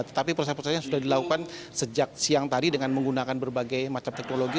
tetapi proses proses yang sudah dilakukan sejak siang tadi dengan menggunakan berbagai macam teknologi